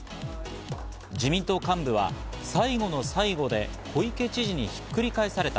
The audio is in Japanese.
自民党幹部は最後の最後で小池知事にひっくり返された。